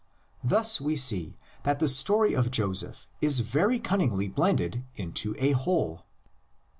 Thus we see that the story of Joseph is very cunningly blended into a whole.